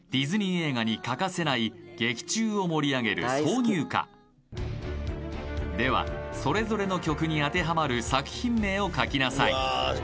映画に欠かせない劇中を盛り上げる挿入歌ではそれぞれの曲に当てはまる作品名を書きなさい